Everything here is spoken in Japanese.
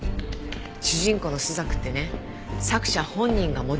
主人公の朱雀ってね作者本人がモデルなの。